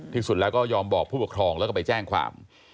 ที่สุดแล้วก็ยอมบอกผู้ปกครองแล้วก็ไปแจ้งความ